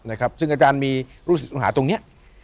นะครับซึ่งอาจารย์มีรูปศิษย์หนูหาตรงเนี่ย